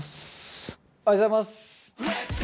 おはようございます！